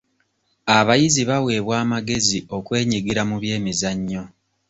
Abayizi baweebwa amagezi okwenyigira mu byemizannyo.